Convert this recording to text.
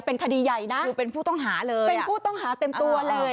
เป็นคดีใหญ่นะคือเป็นผู้ต้องหาเลยเป็นผู้ต้องหาเต็มตัวเลย